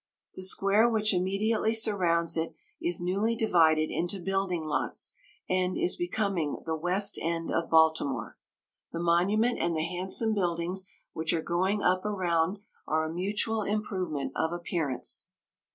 The square which immediately surrounds it is newly divided into building lots, and is becoming the "west end" of Baltimore. The Monument and the handsome buildings which are going up around are a mutual improvement of appearance.